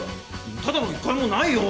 ただの一回もないよ！